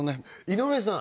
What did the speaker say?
井上さん